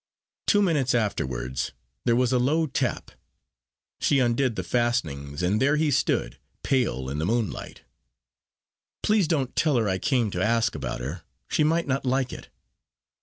Two minutes afterwards there was a low tap; she undid the fastenings, and there he stood, pale in the moonlight. "Please don't tell her I came to ask about her; she might not like it."